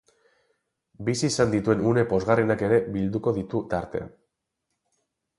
Bizi izan dituen une pozgarrienak ere bilduko ditu tartean.